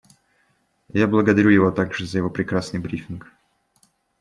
Я благодарю его также за его прекрасный брифинг.